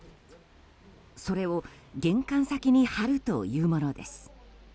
それを玄関先に貼るというものです。